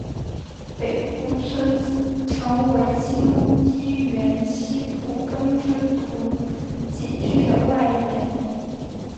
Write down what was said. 北坞村成为清漪园西部耕织图景区的外延。